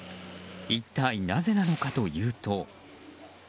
一体なぜなのかというと。